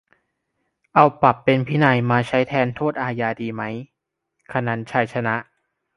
เอา "ปรับเป็นพินัย" มาใช้แทน "โทษอาญา" ดีไหม - คนันท์ ชัยชนะ